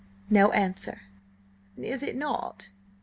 No answer. "Is it not?"